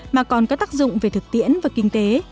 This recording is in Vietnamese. mà còn có tác dụng về thực tiễn và kinh tế